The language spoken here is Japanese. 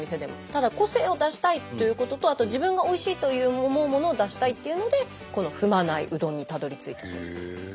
ただ個性を出したいということとあと自分がおいしいと思うものを出したいっていうのでこの踏まないうどんにたどりついたそうです。